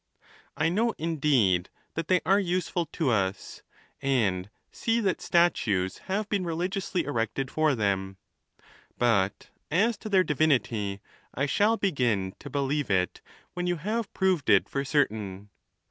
I know indeed that they are useful to us, and see that statues have been religiously erected for them ; but as to their divinity, I shall begin to belie^■e it when you have proved it for certain.